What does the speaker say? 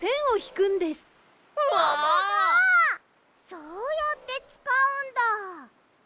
そうやってつかうんだ。